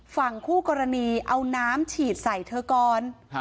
ฝั่งคู่กรณีเอาน้ำฉีดใส่เธอก่อน